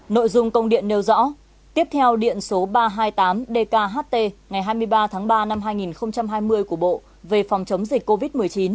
nội dung công điện nêu rõ tiếp theo điện số ba trăm hai mươi tám dkht ngày hai mươi ba tháng ba năm hai nghìn hai mươi của bộ về phòng chống dịch covid một mươi chín